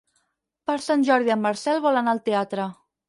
Per Sant Jordi en Marcel vol anar al teatre.